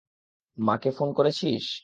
মাকে ফোন করেছিস?